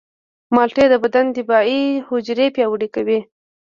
مالټې د بدن دفاعي حجرې پیاوړې کوي.